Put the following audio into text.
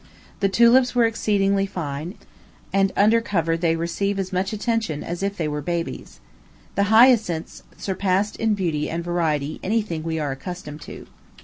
The tulips were exceedingly fine, and under cover they receive as much attention as if they were babies. The hyacinths surpassed in beauty and variety any thing we are accustomed to.